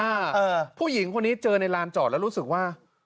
เออผู้หญิงคนนี้เจอในลานจอดแล้วรู้สึกว่า